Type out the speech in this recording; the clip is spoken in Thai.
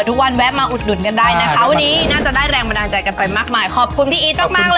ทุกวันแวะมาอุดหดู่กันได้เลยนะครับวันนี้น่าจะได้แรงแบรนด์อาจกันไปมากมายขอบคุณพี่เอสมากเลยนะครับ